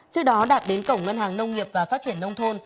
trước đó đạt đến cổng ngân hàng nông nghiệp và phát triển nông thôn